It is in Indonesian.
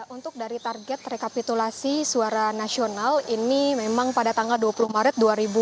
untuk dari target rekapitulasi suara nasional ini memang pada tanggal dua puluh maret dua ribu dua puluh